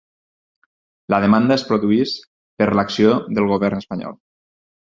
La demanda es produeix per l'acció del govern espanyol